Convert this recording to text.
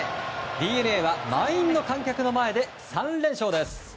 ＤｅＮＡは満員の観客の前で３連勝です。